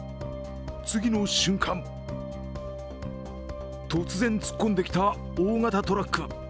次の瞬間、突然突っ込んできた、大型トラック。